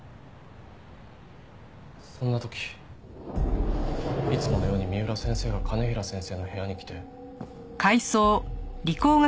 そんな時いつものように三浦先生が兼平先生の部屋に来て。